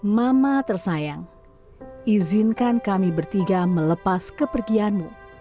mama tersayang izinkan kami bertiga melepas kepergianmu